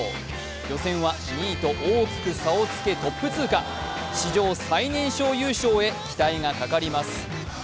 予選は２位と大きく差をつけ、トップ通過史上最年少優勝へ期待がかかります。